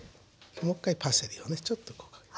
もう１回パセリをちょっとこうかけて。